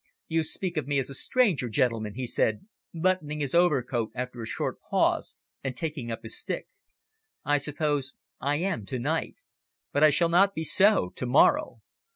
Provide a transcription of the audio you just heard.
"You speak of me as a stranger, gentlemen," he said, buttoning his overcoat after a short pause and taking up his stick. "I suppose I am to night but I shall not be so to morrow.